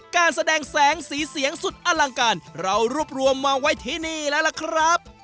การแสดงแสงสีเสียงสุดอลังการเรารวบรวมมาไว้ที่นี่แล้วล่ะครับ